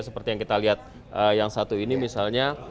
seperti yang kita lihat yang satu ini misalnya